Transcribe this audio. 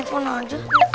kayaknya pun aja